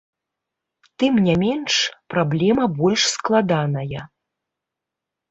Тым не менш, праблема больш складаная.